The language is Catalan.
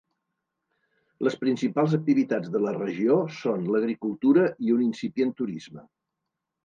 Les principals activitats de la regió són l'agricultura i un incipient turisme.